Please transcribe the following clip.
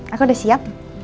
aku udah siap